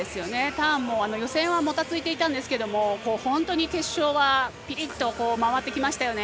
ターンも予選はもたついていたんですが本当に決勝はぴりっと回ってきましたよね。